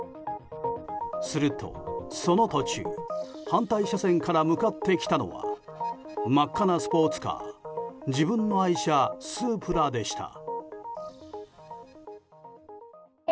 すると、その途中反対車線から向かってきたのは真っ赤なスポーツカー自分の愛車、スープラでした。